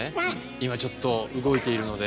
今ちょっと動いているので。